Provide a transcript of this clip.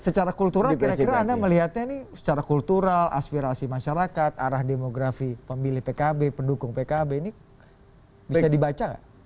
secara kultural kira kira anda melihatnya ini secara kultural aspirasi masyarakat arah demografi pemilih pkb pendukung pkb ini bisa dibaca nggak